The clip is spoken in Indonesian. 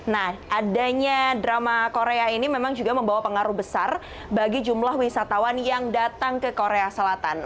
nah adanya drama korea ini memang juga membawa pengaruh besar bagi jumlah wisatawan yang datang ke korea selatan